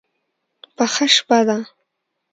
پخه شپه ده.